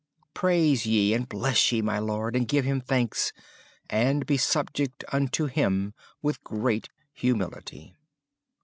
Praise ye and bless ye my Lord, and give Him thanks, And be subject unto Him with great humility."